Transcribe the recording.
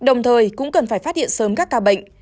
đồng thời cũng cần phải phát hiện sớm các ca bệnh